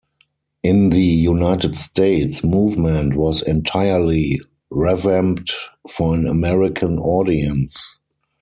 In the United States, "Movement" was entirely revamped for an American audience.